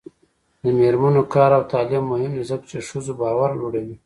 د میرمنو کار او تعلیم مهم دی ځکه چې ښځو باور لوړوي.